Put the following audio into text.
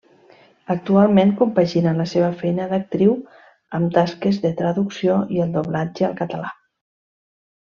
Actualment compagina la seva feina d'actriu amb tasques de traducció i el doblatge al català.